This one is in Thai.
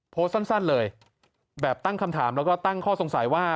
โพสต์สั้นเลยแบบตั้งคำถามแล้วก็ตั้งข้อสงสัยว่า